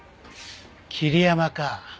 桐山か。